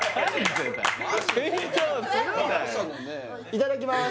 いただきます